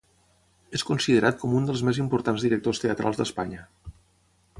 És considerat com un dels més importants directors teatrals d'Espanya.